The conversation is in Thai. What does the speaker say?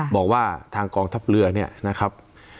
บอกว่าทางกองทัพเรือเนี่ยนะครับ